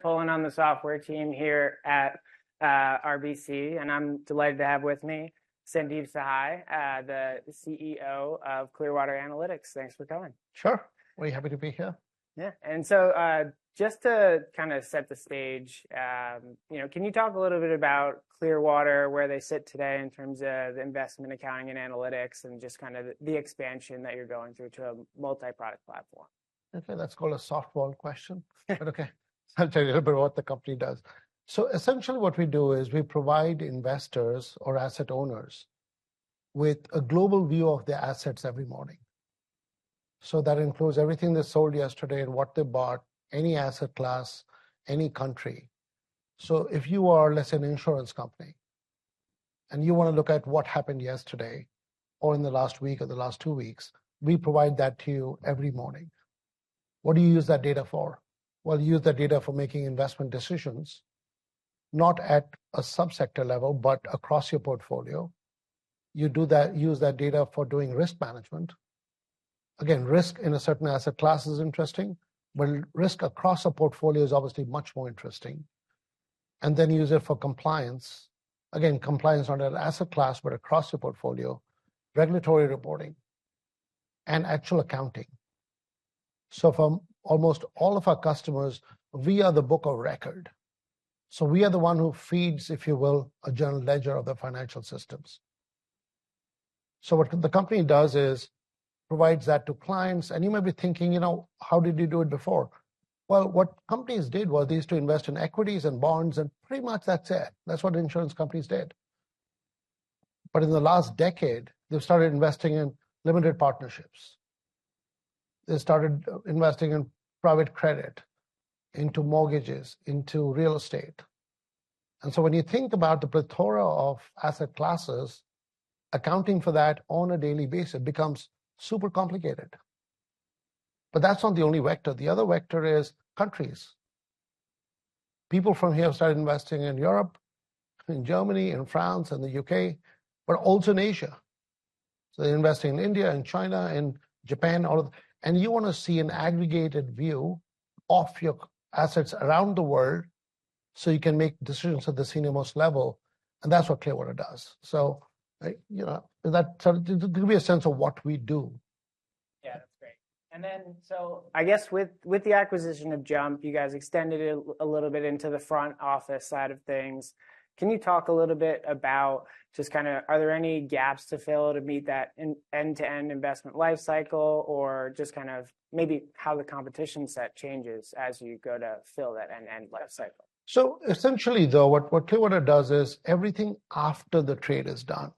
Pulling on the software team here at RBC, and I'm delighted to have with me Sandeep Sahai, the CEO of Clearwater Analytics. Thanks for coming. Sure. We're happy to be here. Yeah. And so just to kind of set the stage, you know, can you talk a little bit about Clearwater, where they sit today in terms of investment accounting and analytics, and just kind of the expansion that you're going through to a multi-product platform? Okay, that's called a softball question, but okay, I'll tell you a little bit about what the company does. So essentially what we do is we provide investors or asset owners with a global view of their assets every morning. So that includes everything they sold yesterday and what they bought, any asset class, any country. So if you are, let's say, an insurance company and you want to look at what happened yesterday or in the last week or the last two weeks, we provide that to you every morning. What do you use that data for? Well, use that data for making investment decisions, not at a subsector level, but across your portfolio. You do that, use that data for doing risk management. Again, risk in a certain asset class is interesting, but risk across a portfolio is obviously much more interesting. And then use it for compliance. Again, compliance on an asset class, but across the portfolio, regulatory reporting and actual accounting. So for almost all of our customers, we are the book of record. So we are the one who feeds, if you will, a general ledger of the financial systems. So what the company does is provides that to clients. And you may be thinking, you know, how did you do it before? Well, what companies did was they used to invest in equities and bonds, and pretty much that's it. That's what insurance companies did. But in the last decade, they've started investing in limited partnerships. They started investing in private credit, into mortgages, into real estate. And so when you think about the plethora of asset classes, accounting for that on a daily basis becomes super complicated. But that's not the only vector. The other vector is countries. People from here started investing in Europe, in Germany, in France, in the UK, but also in Asia. So they're investing in India, in China, in Japan, all of that. And you want to see an aggregated view of your assets around the world so you can make decisions at the senior most level. And that's what Clearwater does. So, you know, that sort of gives you a sense of what we do. Yeah, that's great. And then so I guess with the acquisition of JUMP, you guys extended it a little bit into the front office side of things. Can you talk a little bit about just kind of, are there any gaps to fill to meet that end-to-end investment life cycle, or just kind of maybe how the competition set changes as you go to fill that end-to-end investment life cycle? So essentially, though, what Clearwater does is everything after the trade is done.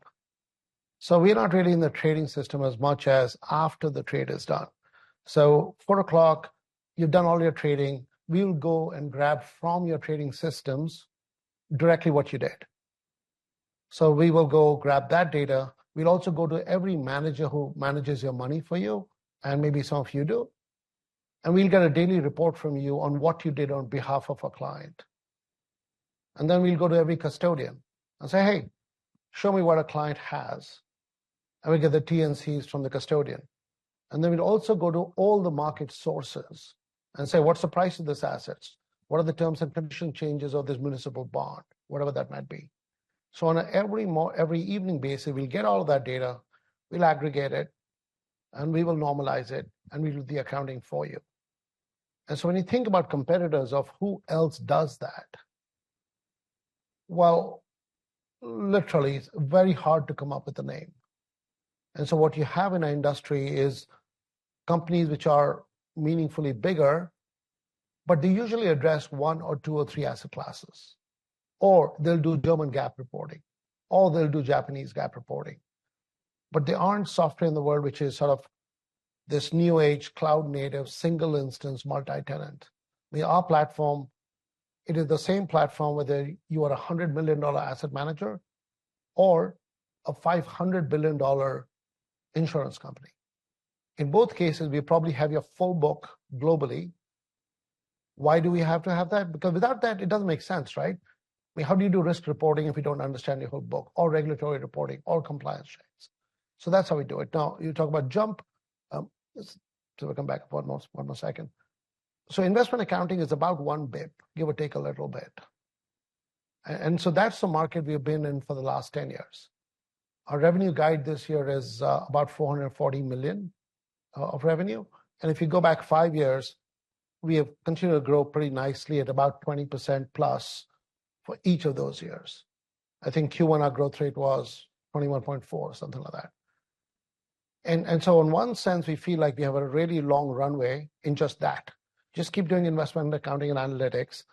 So we're not really in the trading system as much as after the trade is done. So 4:00 P.M., you've done all your trading. We will go and grab from your trading systems directly what you did. So we will go grab that data. We'll also go to every manager who manages your money for you, and maybe some of you do. And we'll get a daily report from you on what you did on behalf of a client. And then we'll go to every custodian and say, "Hey, show me what a client has." And we get the T&Cs from the custodian. And then we'll also go to all the market sources and say, "What's the price of this asset? What are the terms and conditions changes of this municipal bond?" Whatever that might be. So on an every evening basis, we'll get all of that data, we'll aggregate it, and we will normalize it, and we'll do the accounting for you. And so when you think about competitors of who else does that, well, literally, it's very hard to come up with a name. And so what you have in our industry is companies which are meaningfully bigger, but they usually address one or two or three asset classes. Or they'll do German GAAP reporting, or they'll do Japanese GAAP reporting. But there aren't software in the world which is sort of this new age cloud native single instance multi-tenant. I mean, our platform, it is the same platform whether you are a $100 million asset manager or a $500 billion insurance company. In both cases, we probably have your full book globally. Why do we have to have that? Because without that, it doesn't make sense, right? I mean, how do you do risk reporting if you don't understand your whole book or regulatory reporting or compliance checks? So that's how we do it. Now, you talk about JUMP. So we'll come back to one more second. So investment accounting is about one B, give or take a little bit. And so that's the market we've been in for the last 10 years. Our revenue guide this year is about $440 million of revenue. And if you go back five years, we have continued to grow pretty nicely at about 20%+ for each of those years. I think Q1 our growth rate was 21.4%, something like that. And so in one sense, we feel like we have a really long runway in just that. Just keep doing investment accounting and analytics.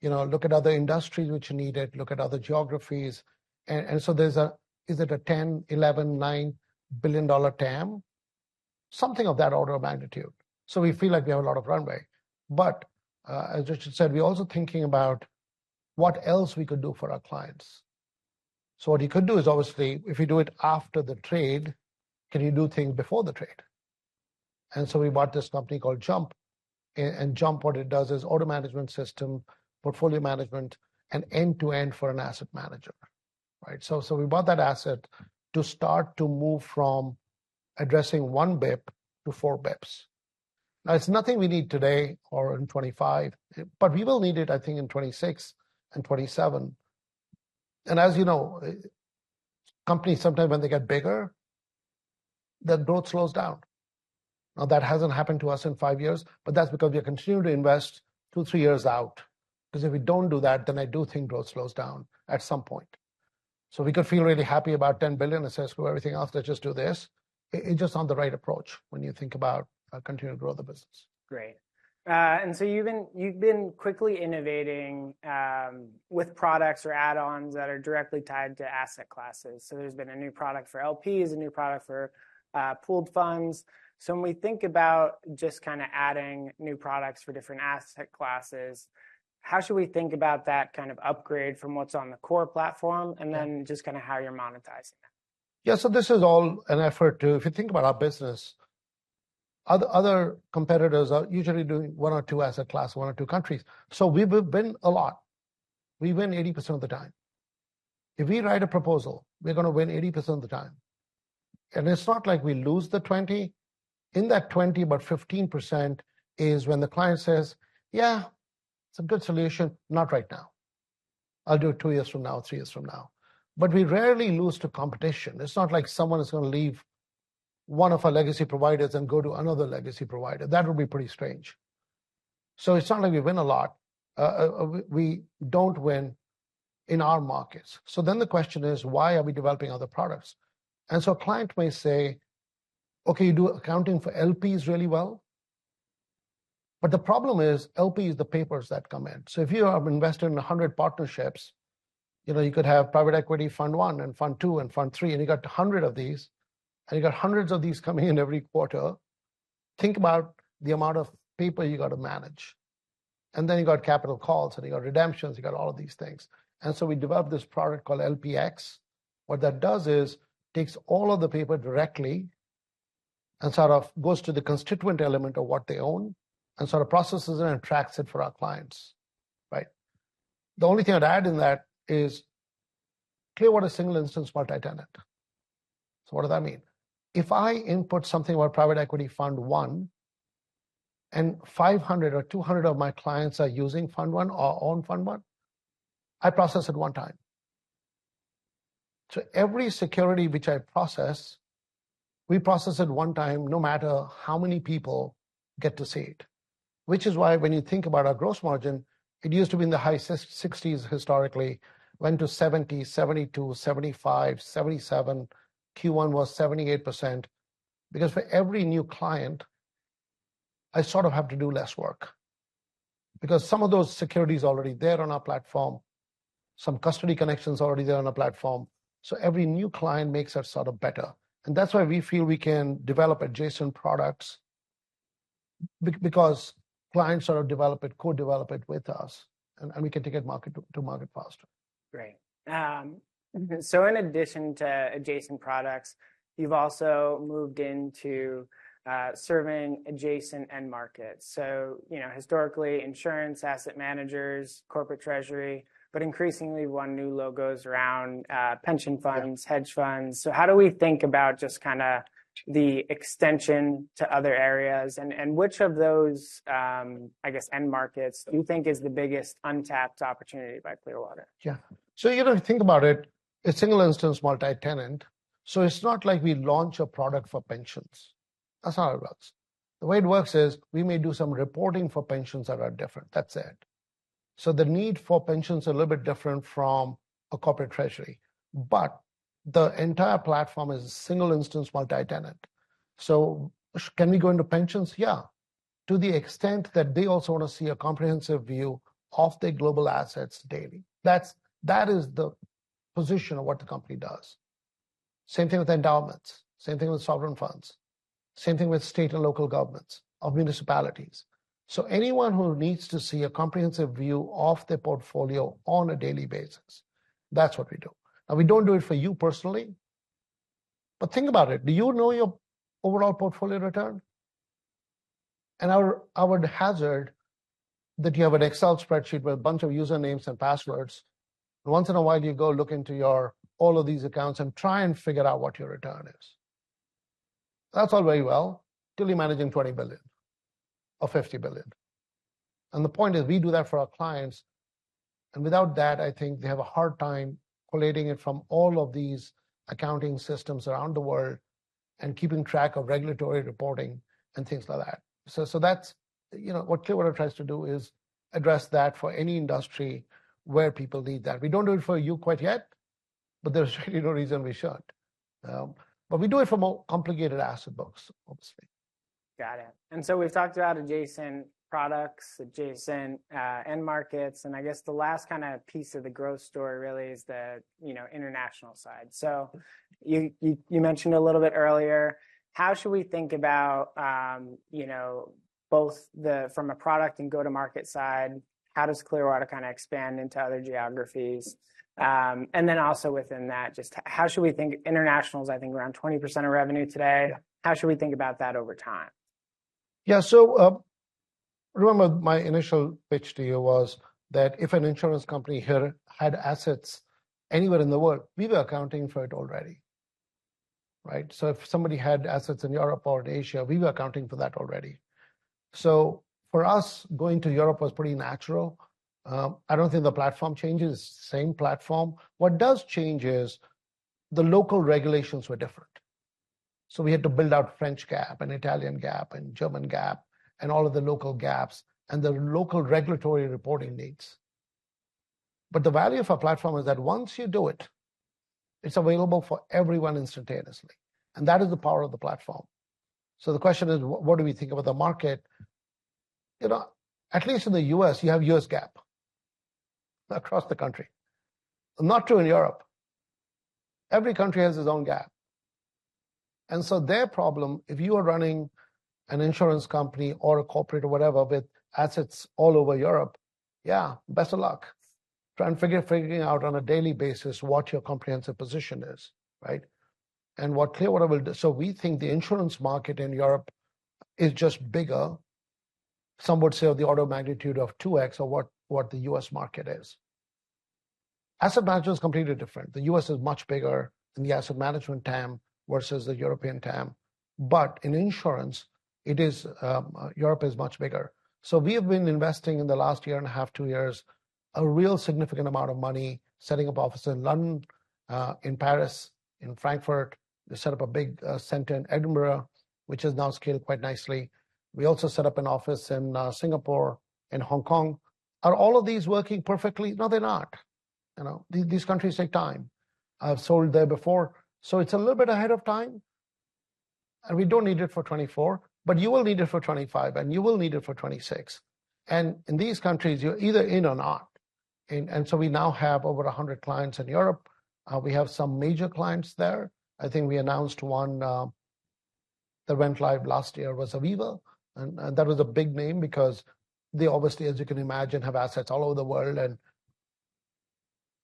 You know, look at other industries which need it, look at other geographies. And so there's a, is it a $10, $11, $9 billion TAM? Something of that order of magnitude. So we feel like we have a lot of runway. But as Richard said, we're also thinking about what else we could do for our clients. So what you could do is obviously, if you do it after the trade, can you do things before the trade? And so we bought this company called Jump. And Jump, what it does is order management system, portfolio management, and end-to-end for an asset manager, right? So we bought that asset to start to move from addressing one B to four Bs. Now, it's nothing we need today or in 2025, but we will need it, I think, in 2026 and 2027. As you know, companies sometimes when they get bigger, then growth slows down. Now, that hasn't happened to us in five years, but that's because we are continuing to invest two, three years out. Because if we don't do that, then I do think growth slows down at some point. So we could feel really happy about $10 billion and say, "Excuse everything else, let's just do this." It's just not the right approach when you think about continuing to grow the business. Great. You've been quickly innovating with products or add-ons that are directly tied to asset classes. There's been a new product for LPs, a new product for pooled funds. When we think about just kind of adding new products for different asset classes, how should we think about that kind of upgrade from what's on the core platform and then just kind of how you're monetizing it? Yeah, so this is all an effort to, if you think about our business, other competitors are usually doing one or two asset class, one or two countries. So we've been a lot. We win 80% of the time. If we write a proposal, we're going to win 80% of the time. And it's not like we lose the 20%. In that 20%, about 15% is when the client says, "Yeah, it's a good solution, not right now. I'll do it two years from now, three years from now." But we rarely lose to competition. It's not like someone is going to leave one of our legacy providers and go to another legacy provider. That would be pretty strange. So it's not like we win a lot. We don't win in our markets. So then the question is, why are we developing other products? A client may say, "Okay, you do accounting for LPs really well." But the problem is LPs are the papers that come in. So if you have invested in 100 partnerships, you know, you could have private equity fund one and fund two and fund three, and you got 100 of these, and you got hundreds of these coming in every quarter, think about the amount of paper you got to manage. Then you got capital calls and you got redemptions, you got all of these things. So we developed this product called LPx. What that does is takes all of the paper directly and sort of goes to the constituent element of what they own and sort of processes it and tracks it for our clients, right? The only thing I'd add in that is Clearwater single instance multi-tenant. So what does that mean? If I input something about private equity fund one and 500 or 200 of my clients are using fund one or own fund one, I process it one time. So every security which I process, we process it one time no matter how many people get to see it. Which is why when you think about our gross margin, it used to be in the high 60s historically, went to 70%, 72%, 75%, 77%. Q1 was 78%. Because for every new client, I sort of have to do less work. Because some of those securities are already there on our platform. Some custody connections are already there on our platform. So every new client makes it sort of better. And that's why we feel we can develop adjacent products because clients sort of develop it, co-develop it with us, and we can take it to market faster. Great. So in addition to adjacent products, you've also moved into serving adjacent end markets. So, you know, historically, insurance, asset managers, corporate treasury, but increasingly one new logo's around pension funds, hedge funds. So how do we think about just kind of the extension to other areas? And which of those, I guess, end markets do you think is the biggest untapped opportunity by Clearwater? Yeah. So you know, if you think about it, a Single Instance Multi-Tenant, so it's not like we launch a product for pensions. That's how it works. The way it works is we may do some reporting for pensions that are different. That's it. So the need for pensions is a little bit different from a corporate treasury. But the entire platform is a Single Instance Multi-Tenant. So can we go into pensions? Yeah. To the extent that they also want to see a comprehensive view of their global assets daily. That is the position of what the company does. Same thing with endowments. Same thing with sovereign funds. Same thing with state and local governments of municipalities. So anyone who needs to see a comprehensive view of their portfolio on a daily basis, that's what we do. Now, we don't do it for you personally. But think about it. Do you know your overall portfolio return? And how hard it is that you have an Excel spreadsheet with a bunch of usernames and passwords. And once in a while, you go look into all of these accounts and try and figure out what your return is. That's all very well. Till you're managing $20 billion or $50 billion. And the point is we do that for our clients. And without that, I think they have a hard time collating it from all of these accounting systems around the world and keeping track of regulatory reporting and things like that. So that's, you know, what Clearwater tries to do is address that for any industry where people need that. We don't do it for you quite yet, but there's really no reason we should. But we do it for more complicated asset books, obviously. Got it. So we've talked about adjacent products, adjacent end markets. I guess the last kind of piece of the growth story really is the, you know, international side. So you mentioned a little bit earlier how should we think about, you know, both the from a product and go-to-market side, how does Clearwater kind of expand into other geographies? And then also within that, just how should we think internationals, I think around 20% of revenue today, how should we think about that over time? Yeah, so I remember my initial pitch to you was that if an insurance company here had assets anywhere in the world, we were accounting for it already, right? So if somebody had assets in Europe or in Asia, we were accounting for that already. So for us, going to Europe was pretty natural. I don't think the platform changes. Same platform. What does change is the local regulations were different. So we had to build out French GAAP and Italian GAAP and German GAAP and all of the local GAAPs and the local regulatory reporting needs. But the value of our platform is that once you do it, it's available for everyone instantaneously. And that is the power of the platform. So the question is, what do we think about the market? You know, at least in the U.S., you have U.S. GAAP across the country. Not true in Europe. Every country has its own GAAP. And so their problem, if you are running an insurance company or a corporate or whatever with assets all over Europe, yeah, best of luck. Try and figure out on a daily basis what your comprehensive position is, right? And what Clearwater will do. So we think the insurance market in Europe is just bigger, some would say of the order of magnitude of 2x or what the U.S. market is. Asset management is completely different. The U.S. is much bigger in the asset management TAM versus the European TAM. But in insurance, it is Europe is much bigger. So we have been investing in the last year and a half, two years, a real significant amount of money setting up offices in London, in Paris, in Frankfurt. We set up a big center in Edinburgh, which has now scaled quite nicely. We also set up an office in Singapore, in Hong Kong. Are all of these working perfectly? No, they're not. You know, these countries take time. I've sold there before. So it's a little bit ahead of time. And we don't need it for 2024, but you will need it for 2025, and you will need it for 2026. And in these countries, you're either in or not. And so we now have over 100 clients in Europe. We have some major clients there. I think we announced one that went live last year was Aviva. And that was a big name because they obviously, as you can imagine, have assets all over the world and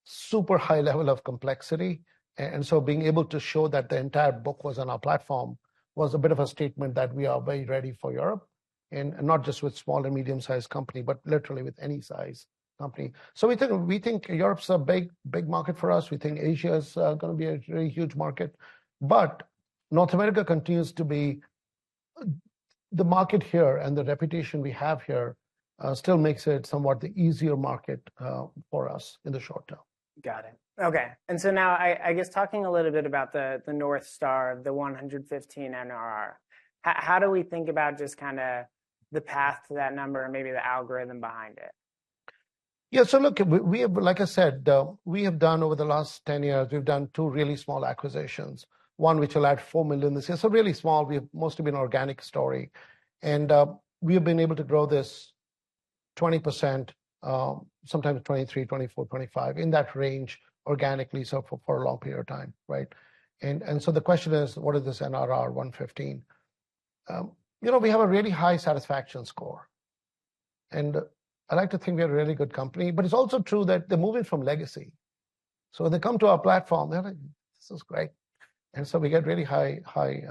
super high level of complexity. Being able to show that the entire book was on our platform was a bit of a statement that we are very ready for Europe. Not just with small and medium-sized company, but literally with any size company. We think Europe's a big, big market for us. We think Asia's going to be a really huge market. North America continues to be the market here and the reputation we have here still makes it somewhat the easier market for us in the short term. Got it. Okay. And so now, I guess talking a little bit about the North Star, the 115 NRR, how do we think about just kind of the path to that number and maybe the algorithm behind it? Yeah, so look, we have, like I said, we have done over the last 10 years, we've done two really small acquisitions. One which will add $4 million this year. So really small. We've mostly been an organic story. And we have been able to grow this 20%, sometimes 23%-25% in that range organically for a long period of time, right? And so the question is, what is this NRR 115%? You know, we have a really high satisfaction score. And I like to think we are a really good company. But it's also true that they're moving from legacy. So when they come to our platform, they're like, "This is great." And so we get really high, high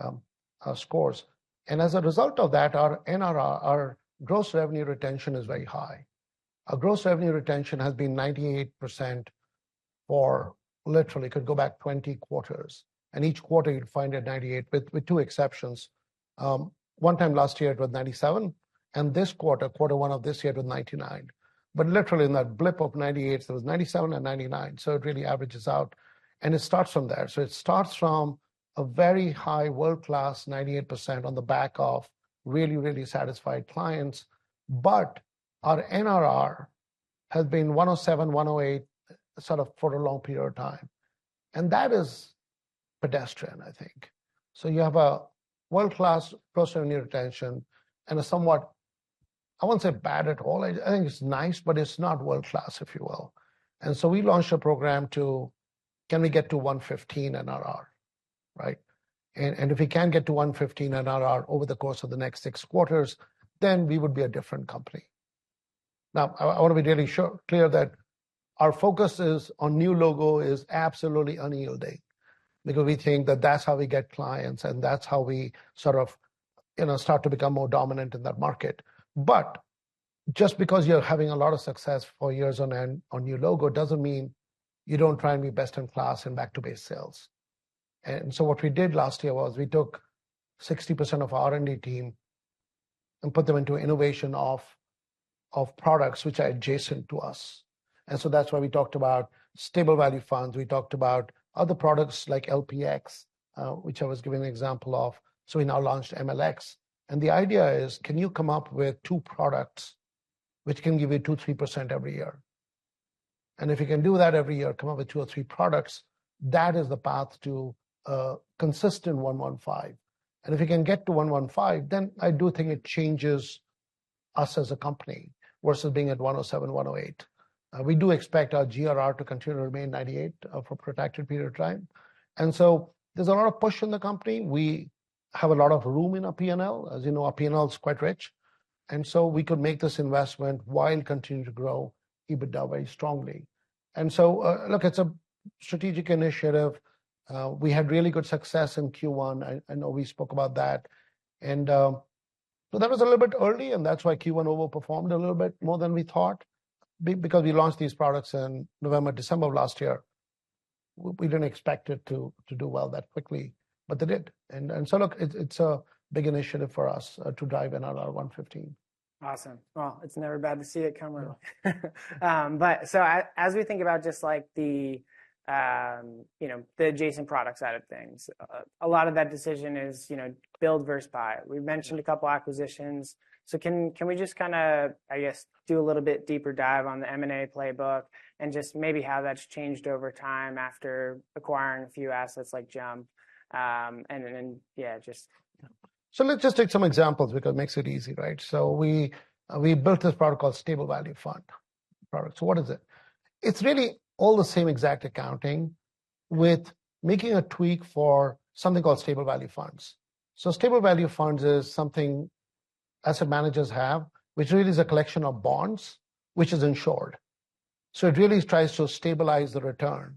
scores. And as a result of that, our NRR, our gross revenue retention is very high. Our gross revenue retention has been 98% for literally 20 quarters. Could go back 20 quarters. Each quarter you'd find 98% with two exceptions. One time last year it was 97%. This quarter, quarter one of this year, it was 99%. But literally in that blip of 98%, there was 97% and 99%. It really averages out. It starts from there. It starts from a very high world-class 98% on the back of really, really satisfied clients. But our NRR has been 107%-108% sort of for a long period of time. That is pedestrian, I think. You have a world-class gross revenue retention and a somewhat. I won't say bad at all. I think it's nice, but it's not world-class, if you will. We launched a program to, can we get to 115% NRR, right? If we can get to 115 NRR over the course of the next six quarters, then we would be a different company. Now, I want to be really clear that our focus on new logo is absolutely unyielding because we think that that's how we get clients and that's how we sort of, you know, start to become more dominant in that market. But just because you're having a lot of success for years on end on new logo doesn't mean you don't try and be best in class in back-to-base sales. And so what we did last year was we took 60% of our R&D team and put them into innovation of products which are adjacent to us. And so that's why we talked about stable value funds. We talked about other products like LPx, which I was giving an example of. So we now launched MLx. And the idea is, can you come up with two products which can give you 2%-3% every year? And if you can do that every year, come up with two or three products, that is the path to a consistent 115%. And if you can get to 115%, then I do think it changes us as a company versus being at 107%-108%. We do expect our GRR to continue to remain 98% for a protected period of time. And so there's a lot of push in the company. We have a lot of room in our P&L. As you know, our P&L is quite rich. And so we could make this investment while continuing to grow EBITDA very strongly. And so look, it's a strategic initiative. We had really good success in Q1. I know we spoke about that. And so that was a little bit early, and that's why Q1 overperformed a little bit more than we thought. Because we launched these products in November, December of last year, we didn't expect it to do well that quickly, but it did. And so look, it's a big initiative for us to drive NRR 115%. Awesome. Well, it's never bad to see it come around. But so as we think about just like the, you know, the adjacent products side of things, a lot of that decision is, you know, build versus buy. We've mentioned a couple acquisitions. So can we just kind of, I guess, do a little bit deeper dive on the M&A playbook and just maybe how that's changed over time after acquiring a few assets like JUMP and then, yeah, just. So let's just take some examples because it makes it easy, right? So we built this product called Stable Value Fund product. So what is it? It's really all the same exact accounting with making a tweak for something called Stable Value Funds. So Stable Value Funds is something asset managers have, which really is a collection of bonds, which is insured. So it really tries to stabilize the return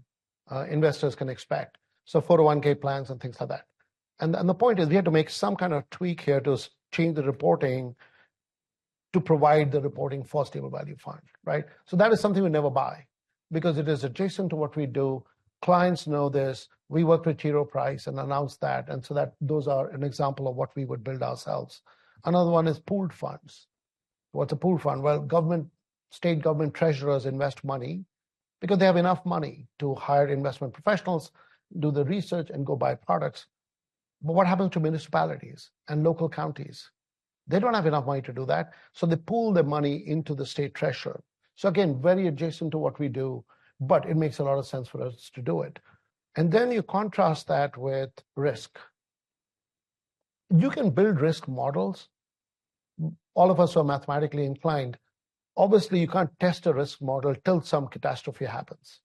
investors can expect. So 401(k) plans and things like that. And the point is we had to make some kind of tweak here to change the reporting to provide the reporting for Stable Value Fund, right? So that is something we never buy because it is adjacent to what we do. Clients know this. We work with T. Rowe Price and announced that. And so that those are an example of what we would build ourselves. Another one is pooled funds. What's a pooled fund? Well, government, state government treasurers invest money because they have enough money to hire investment professionals, do the research, and go buy products. But what happens to municipalities and local counties? They don't have enough money to do that. So they pool their money into the state treasurer. So again, very adjacent to what we do, but it makes a lot of sense for us to do it. And then you contrast that with risk. You can build risk models. All of us are mathematically inclined. Obviously, you can't test a risk model till some catastrophe happens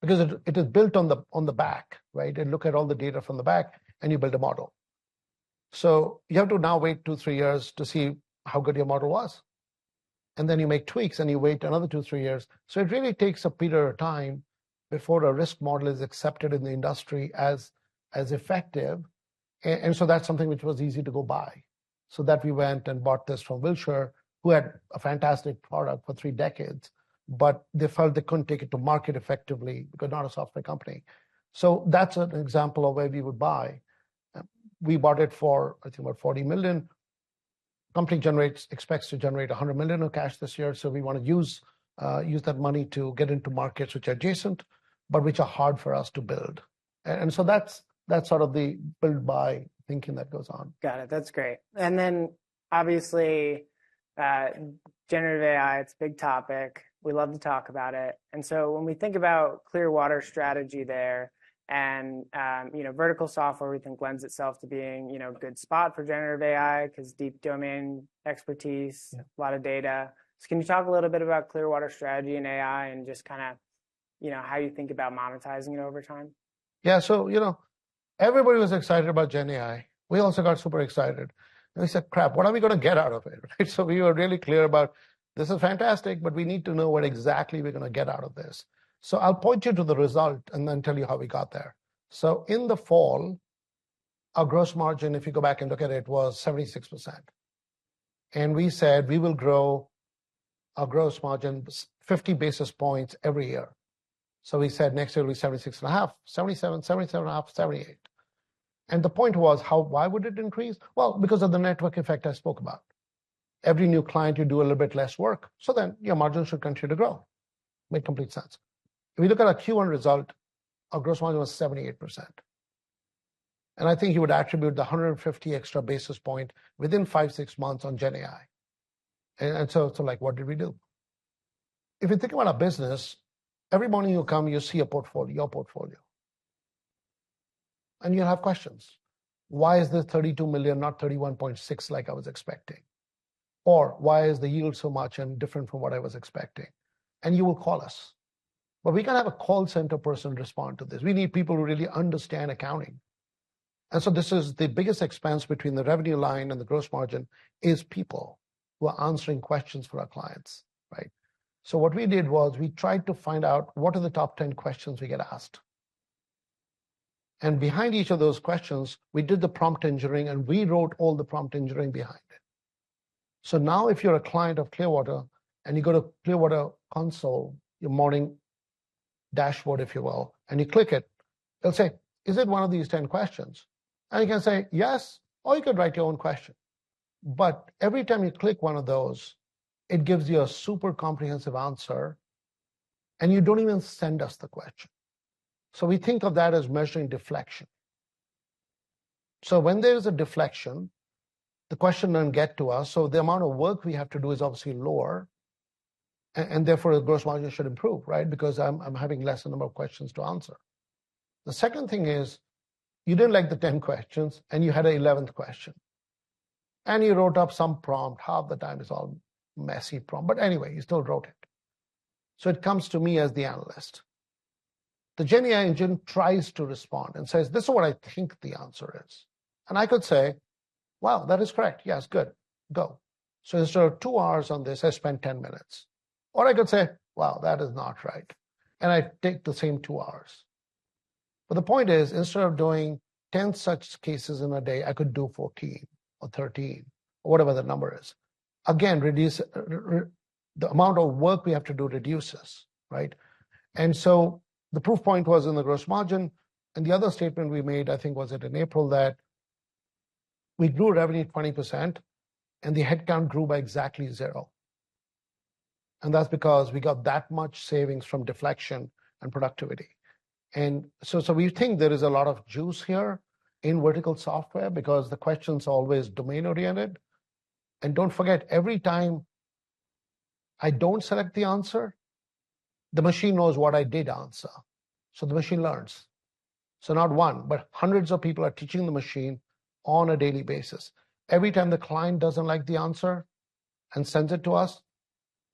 because it is built on the back, right? And look at all the data from the back and you build a model. So you have to now wait two, three years to see how good your model was. Then you make tweaks and you wait another 2-3 years. It really takes a period of time before a risk model is accepted in the industry as effective. That's something which was easy to go buy. We went and bought this from Wilshire, who had a fantastic product for three decades, but they felt they couldn't take it to market effectively because not a software company. That's an example of where we would buy. We bought it for, I think, about $40 million. Company generates, expects to generate $100 million of cash this year. We want to use that money to get into markets which are adjacent, but which are hard for us to build. That's sort of the buy-build thinking that goes on. Got it. That's great. And then obviously, generative AI, it's a big topic. We love to talk about it. And so when we think about Clearwater strategy there and, you know, vertical software, we think lends itself to being, you know, a good spot for generative AI because deep domain expertise, a lot of data. So can you talk a little bit about Clearwater strategy and AI and just kind of, you know, how you think about monetizing it over time? Yeah. So, you know, everybody was excited about Gen AI. We also got super excited. And we said, "Crap, what are we going to get out of it?" Right? So we were really clear about this is fantastic, but we need to know what exactly we're going to get out of this. So I'll point you to the result and then tell you how we got there. So in the fall, our gross margin, if you go back and look at it, was 76%. And we said we will grow our gross margin 50 basis points every year. So we said next year it'll be 76.5%, 77%, 77.5%, 78%. And the point was how, why would it increase? Well, because of the network effect I spoke about. Every new client, you do a little bit less work. So then your margin should continue to grow. Makes complete sense. If we look at our Q1 result, our gross margin was 78%. And I think you would attribute the 150 extra basis points within five, six months on Gen AI. And so it's like, what did we do? If you think about our business, every morning you come, you see a portfolio, your portfolio. And you'll have questions. Why is this $32 million, not $31.6 million like I was expecting? Or why is the yield so much and different from what I was expecting? And you will call us. But we can have a call center person respond to this. We need people who really understand accounting. And so this is the biggest expense between the revenue line and the gross margin is people who are answering questions for our clients, right? So what we did was we tried to find out what are the top 10 questions we get asked. And behind each of those questions, we did the prompt engineering and we wrote all the prompt engineering behind it. So now if you're a client of Clearwater and you go to Clearwater Console, your morning dashboard, if you will, and you click it, it'll say, "Is it one of these 10 questions?" And you can say, "Yes," or you could write your own question. But every time you click one of those, it gives you a super comprehensive answer, and you don't even send us the question. So we think of that as measuring deflection. So when there's a deflection, the question doesn't get to us. So the amount of work we have to do is obviously lower. And therefore the gross margin should improve, right? Because I'm having lesser number of questions to answer. The second thing is you didn't like the 10 questions and you had an 11th question. And you wrote up some prompt. Half the time it's all messy prompt. But anyway, you still wrote it. So it comes to me as the analyst. The Gen AI engine tries to respond and says, "This is what I think the answer is." And I could say, "Wow, that is correct. Yes, good. Go." So instead of two hours on this, I spent 10 minutes. Or I could say, "Wow, that is not right." And I take the same two hours. But the point is instead of doing 10 such cases in a day, I could do 14 or 13 or whatever the number is. Again, the amount of work we have to do reduces, right? The proof point was in the gross margin. The other statement we made, I think, was it in April, that we grew revenue 20% and the headcount grew by exactly zero. That's because we got that much savings from deflection and productivity. We think there is a lot of juice here in vertical software because the question's always domain-oriented. Don't forget, every time I don't select the answer, the machine knows what I did answer. The machine learns. Not one, but hundreds of people are teaching the machine on a daily basis. Every time the client doesn't like the answer and sends it to us,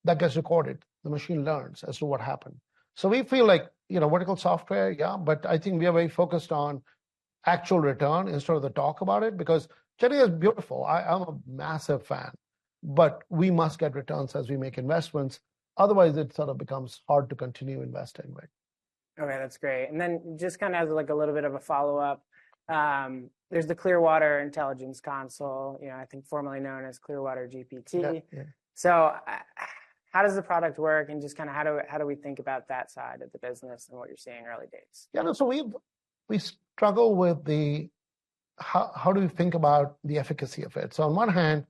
that gets recorded. The machine learns as to what happened. So we feel like, you know, vertical software, yeah, but I think we are very focused on actual return instead of the talk about it because Gen AI is beautiful. I'm a massive fan. But we must get returns as we make investments. Otherwise, it sort of becomes hard to continue investing, right? Okay, that's great. And then just kind of as like a little bit of a follow-up, there's the Clearwater Intelligence Console, you know, I think formerly known as Clearwater GPT. So how does the product work and just kind of how do we think about that side of the business and what you're seeing in early days? Yeah, so we struggle with the, how do we think about the efficacy of it? So on one hand,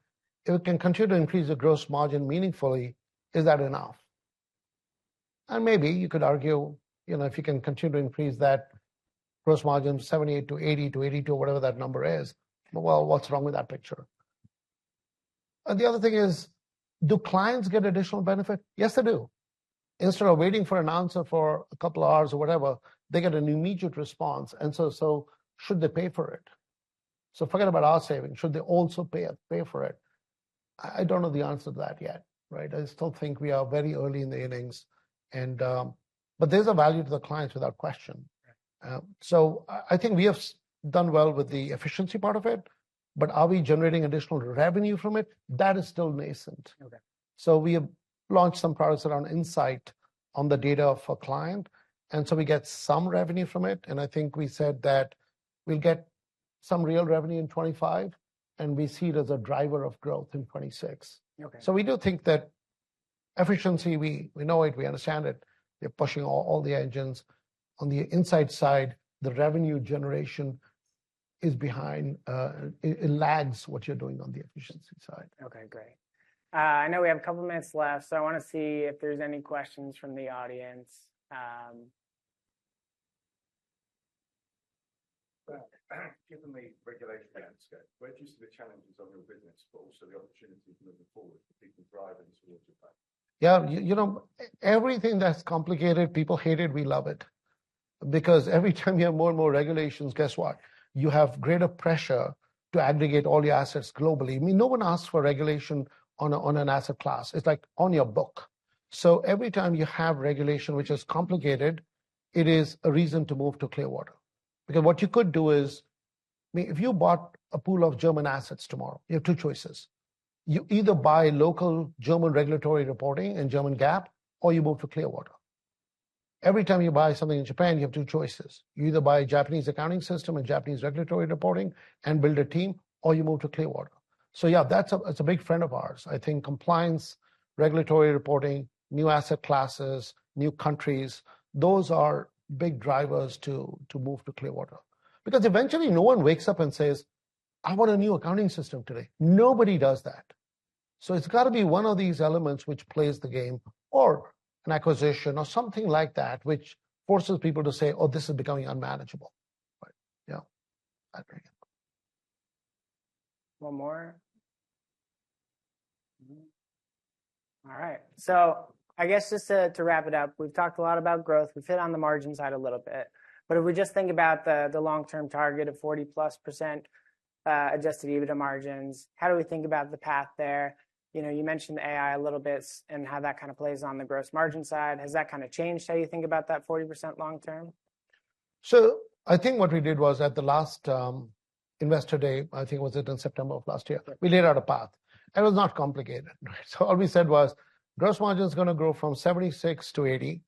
if it can continue to increase the gross margin meaningfully, is that enough? And maybe you could argue, you know, if you can continue to increase that gross margin, 78%-80%-82%, whatever that number is, well, what's wrong with that picture? And the other thing is, do clients get additional benefit? Yes, they do. Instead of waiting for an answer for a couple of hours or whatever, they get an immediate response. And so should they pay for it? So forget about our savings. Should they also pay for it? I don't know the answer to that yet, right? I still think we are very early in the innings. But there's a value to the clients without question. So I think we have done well with the efficiency part of it, but are we generating additional revenue from it? That is still nascent. So we launched some products around insight on the data of a client. And so we get some revenue from it. And I think we said that we'll get some real revenue in 2025, and we see it as a driver of growth in 2026. So we do think that efficiency, we know it, we understand it. They're pushing all the engines. On the inside side, the revenue generation is behind. It lags what you're doing on the efficiency side. Okay, great. I know we have a couple of minutes left, so I want to see if there's any questions from the audience. Given the regulation landscape, where do you see the challenges on your business, but also the opportunities moving forward for people driving towards your goal? Yeah, you know, everything that's complicated, people hate it, we love it. Because every time you have more and more regulations, guess what? You have greater pressure to aggregate all your assets globally. I mean, no one asks for regulation on an asset class. It's like on your book. So every time you have regulation, which is complicated, it is a reason to move to Clearwater. Because what you could do is, if you bought a pool of German assets tomorrow, you have two choices. You either buy local German regulatory reporting and German GAAP, or you move to Clearwater. Every time you buy something in Japan, you have two choices. You either buy a Japanese accounting system and Japanese regulatory reporting and build a team, or you move to Clearwater. So yeah, that's a big friend of ours. I think compliance, regulatory reporting, new asset classes, new countries, those are big drivers to move to Clearwater. Because eventually no one wakes up and says, "I want a new accounting system today." Nobody does that. So it's got to be one of these elements which plays the game or an acquisition or something like that, which forces people to say, "Oh, this is becoming unmanageable." Yeah. One more? All right. So I guess just to wrap it up, we've talked a lot about growth. We've hit on the margin side a little bit. But if we just think about the long-term target of 40%+ adjusted EBITDA margins, how do we think about the path there? You mentioned AI a little bit and how that kind of plays on the gross margin side. Has that kind of changed how you think about that 40% long-term? So I think what we did was at the last Investor Day, I think it was in September of last year, we laid out a path. It was not complicated. So what we said was gross margin is going to grow from 76%-80%,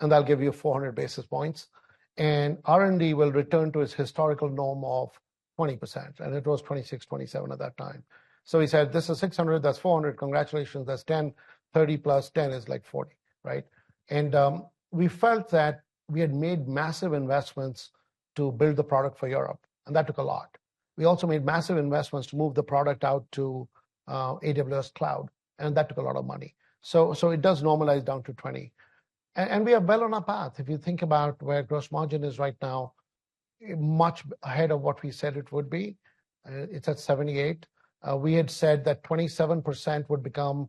and that'll give you 400 basis points. And R&D will return to its historical norm of 20%. And it was 26%-27% at that time. So we said, "This is 600, that's 400, congratulations, that's 10%, 30% + 10% is like 40%," right? And we felt that we had made massive investments to build the product for Europe. And that took a lot. We also made massive investments to move the product out to AWS Cloud. And that took a lot of money. So it does normalize down to 20%. And we are well on our path. If you think about where gross margin is right now, much ahead of what we said it would be, it's at 78%. We had said that 27% would become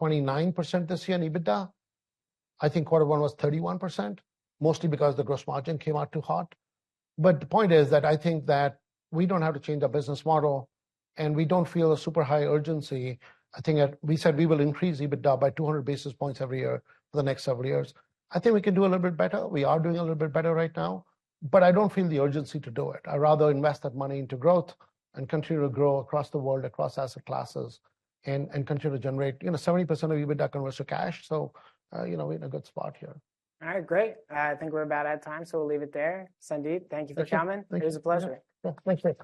29% this year in EBITDA. I think quarter one was 31%, mostly because the gross margin came out too hot. But the point is that I think that we don't have to change our business model. And we don't feel a super high urgency. I think we said we will increase EBITDA by 200 basis points every year for the next several years. I think we can do a little bit better. We are doing a little bit better right now. But I don't feel the urgency to do it. I'd rather invest that money into growth and continue to grow across the world, across asset classes, and continue to generate, you know, 70% of EBITDA converts to cash. You know, we're in a good spot here. All right, great. I think we're about at time, so we'll leave it there. Sandeep, thank you for coming. It was a pleasure. Thank you.